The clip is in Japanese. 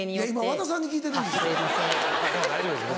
今和田さんに聞いてるんです。